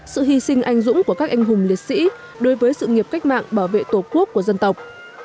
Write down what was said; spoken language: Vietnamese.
sự hy sinh anh dũng của các anh hùng liệt sĩ đối với sự nghiệp cách mạng bảo vệ tổ quốc của dân tộc